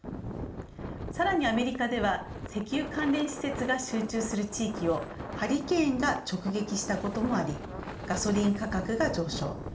さらに、アメリカでは石油関連施設が集中する地域をハリケーンが直撃したこともありガソリン価格が上昇。